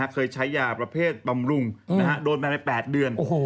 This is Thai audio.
เคยใช้ยาประเภทบำรุงโดนมาใน๘เดือน